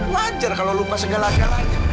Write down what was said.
wajar kalau lupa segala galanya